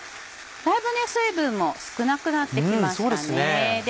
だいぶ水分も少なくなって来ましたね。